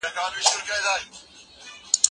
سرلوړي د هغو ده چي له باطل سره نه یو ځای کېږي.